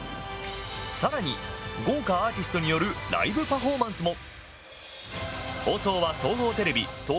さらに、豪華アーティストによるライブパフォーマンスも！